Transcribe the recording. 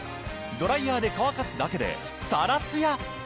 ドライヤーで乾かすだけでサラツヤ！